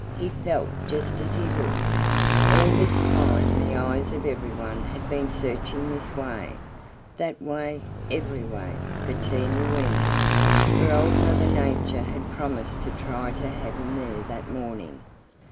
He felt just as he looked. All this time the eyes of every one had been searching this way, that way, every way, for Teeny Weeny, for Old Mother Nature had promised to try to have him there that morning.